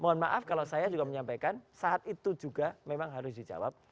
mohon maaf kalau saya juga menyampaikan saat itu juga memang harus dijawab